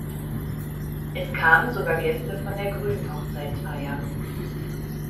Es kamen sogar Gäste von der grünen Hochzeitsfeier.